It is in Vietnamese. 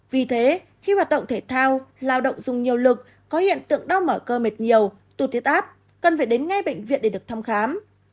vì thế khi hoạt động thể thao lao động dùng nhiều lực có hiện tượng đau mở cơ mệt nhiều tụt thiết áp cần phải đến ngay bệnh viện để được thăm khám